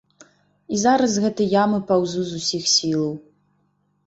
І зараз з гэтай ямы паўзу з усіх сілаў.